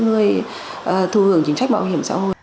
có thể thu hưởng chính trách bảo hiểm xã hội